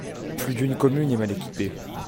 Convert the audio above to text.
Plus d'une commune est mal équipée.